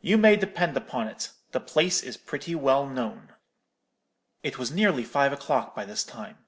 You may depend upon it, the place is pretty well known.' "It was nearly five o'clock by this time.